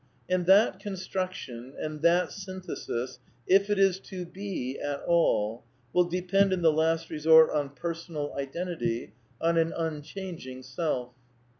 And that construction and that synthesis, if it is to be at all, will depend in the last resort on personal identity, on an unchanging self.